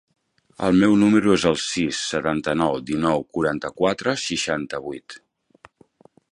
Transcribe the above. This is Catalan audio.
El meu número es el sis, setanta-nou, dinou, quaranta-quatre, seixanta-vuit.